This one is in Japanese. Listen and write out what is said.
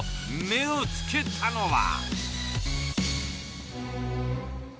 目を付けたのは。